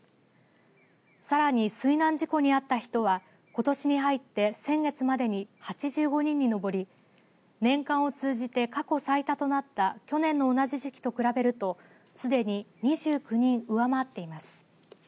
さらに水難事故に遭った人はことしに入って先月までに８５人に上り年間を通じて過去最多となった去年の同じ時期と比べるとすでに２９人、上回っています。